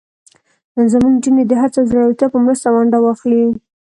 نن زموږ نجونې د هڅو او زړورتیا په مرسته ونډه واخلي.